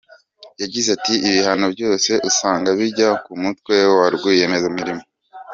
Yagize ati “Ibihano byose usanga bijya ku mutwe wa rwiyemezamirimo.